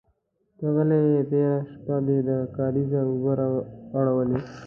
_ته غل يې، تېره شپه دې د کارېزه اوبه اړولې.